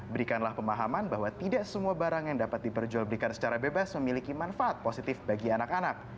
berikanlah pemahaman bahwa tidak semua barang yang dapat diperjual belikan secara bebas memiliki manfaat positif bagi anak anak